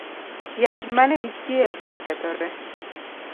Yath mane nitie osekethore